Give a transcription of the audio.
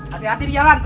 hati hati di jalan